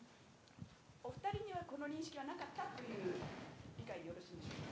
お二人にはその認識はなかったという理解でよろしいですか。